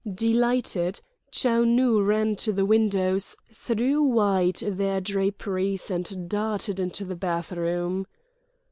Delighted, Chou Nu ran to the windows, threw wide their draperies, and darted into the bathroom.